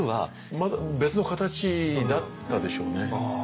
また別の形だったでしょうね。